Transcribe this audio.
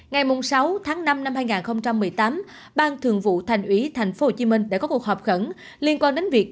ngày sáu tháng năm năm hai nghìn một mươi tám ban thường vụ thành ủy thành phố hồ chí minh đã có cuộc họp khẩn liên quan đến việc